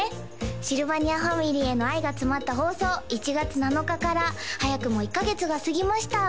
シルバニアファミリーへの愛が詰まった放送１月７日から早くも１カ月が過ぎました